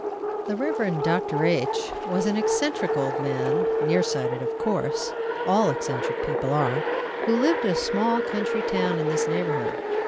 The Rev. Dr. H was an eccentric old man, near sighted of course, all eccentric people are, who lived in a small country town in this neighborhood.